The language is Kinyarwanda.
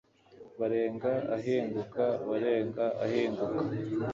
barenga ahinguka barenga ahinguka